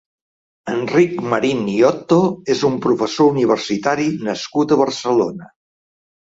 Enric Marín i Otto és un professor universitari nascut a Barcelona.